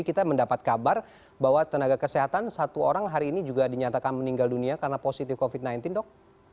kita mendapat kabar bahwa tenaga kesehatan satu orang hari ini juga dinyatakan meninggal dunia karena positif covid sembilan belas dok